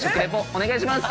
お願いします。